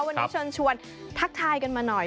วันนี้เชิญชวนทักทายกันมาหน่อย